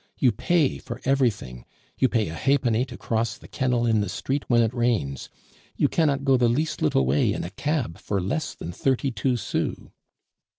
You pay for everything; you pay a halfpenny to cross the kennel in the street when it rains; you cannot go the least little way in a cab for less than thirty two sous.